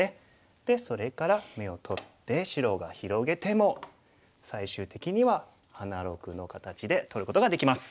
でそれから眼を取って白が広げても最終的には花六の形で取ることができます。